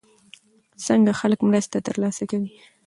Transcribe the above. څنګه خلک مرسته ترلاسه کوي؟